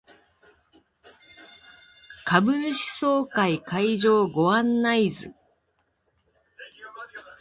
株主総会会場ご案内図